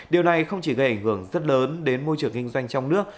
điều này không chỉ gây ảnh hưởng rất lớn đến môi trường kinh doanh trong nước